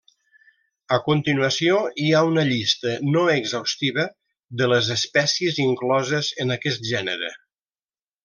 A continuació hi ha una llista no exhaustiva de les espècies incloses en aquest gènere.